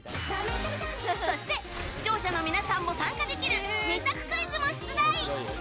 そして、視聴者の皆さんも参加できる２択クイズも出題。